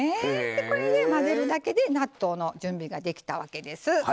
これで混ぜるだけで納豆の準備ができたわけです。